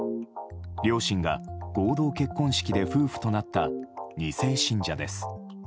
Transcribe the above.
両親が合同結婚式で夫婦となった２世信者です。